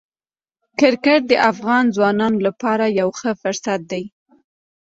کرکټ د افغان ځوانانو لپاره یو ښه فرصت دی.